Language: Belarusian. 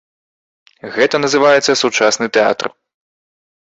Гэта называецца сучасны тэатр!